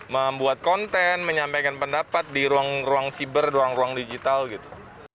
membuat konten menyampaikan pendapat di ruang ruang siber ruang ruang digital gitu